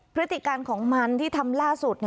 พฤติการของมันที่ทำล่าสุด